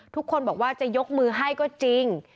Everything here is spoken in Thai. ทุกคนบอกว่าจะยกมือให้ก็จริง